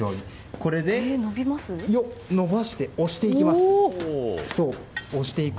これで延ばして、押していきます。